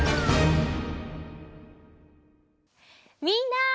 みんな！